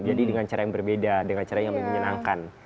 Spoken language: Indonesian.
jadi dengan cara yang berbeda dengan cara yang menyenangkan